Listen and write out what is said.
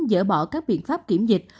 dỡ bỏ các biện pháp kiểm dịch